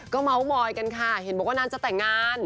เมาส์มอยกันค่ะเห็นบอกว่านานจะแต่งงาน